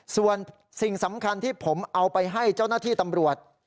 ส่วนสิ่งสำคัญที่ผมเอาไปให้เจ้าหน้าที่ตำรวจ